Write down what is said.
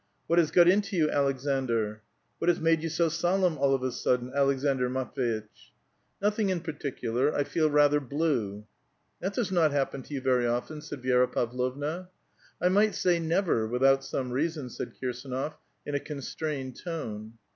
" What lias got into you, Aleksandr?" '^ Wiiat has made you so solemn all of a sudden, Aleksandr Matv^itch?" '* Nothing in particular ; I feel rather blue." " That does not happen to you very often," said Vi^ra Pavlovna. '' I might sa}', never, without some reason," said KirsAnof, in a constrained tone.